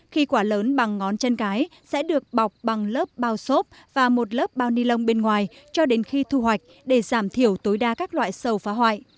khi quả lớn bằng ngón chân cái sẽ được bọc bằng lớp bao xốp và một lớp bao ni lông bên ngoài cho đến khi thu hoạch để giảm thiểu tối đa các loại sâu phá hoại